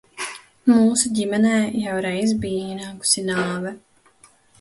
Mūsu ģimenē jau reiz bija ienākusi nāve.